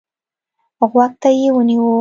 غوږ ته يې ونيو.